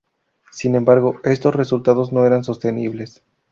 Sin embargo, estos resultados no eran sostenibles.